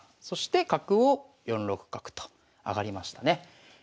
そして角を４六角と上がりましたね。